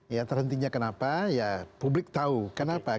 ya terhentinya kenapa ya publik tahu kenapa